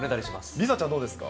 梨紗ちゃん、どうですか。